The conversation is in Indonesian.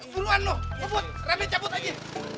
buruan lu kebut rabe cabut aja